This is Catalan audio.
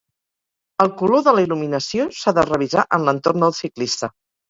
El color de la il·luminació s'ha de revisar en l'entorn del ciclista.